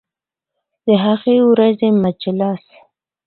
د هغې ورځې مجلس